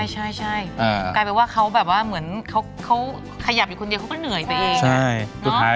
ใช่กลายเป็นว่าเขาแบบว่าเหมือนเขาขยับอยู่คนเดียวเขาก็เหนื่อยไปเอง